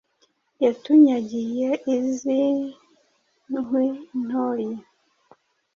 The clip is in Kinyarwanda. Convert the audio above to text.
Yatunyagiye iz'i Nkwi-ntoyi